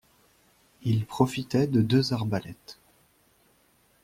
Ils profitaient de deux arbalètes.